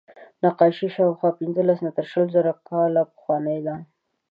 نقاشي شاوخوا پینځلس تر شلو زره کاله پخوانۍ ده.